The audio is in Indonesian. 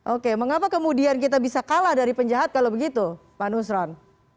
oke mengapa kemudian kita bisa kalah dari penjahat kalau begitu pak nusran